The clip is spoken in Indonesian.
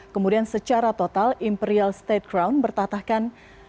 kemudian secara total imperial state crown bertatakan dua delapan ratus enam puluh delapan